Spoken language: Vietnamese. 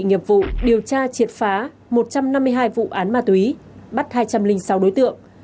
nghiệp vụ điều tra triệt phá một trăm năm mươi hai vụ án ma túy bắt hai trăm linh sáu đối tượng